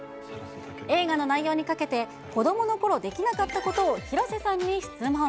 映画の内容にかけて、子どものころできなかったことを広瀬さんに質問。